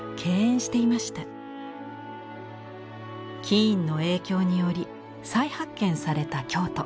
キーンの影響により再発見された京都。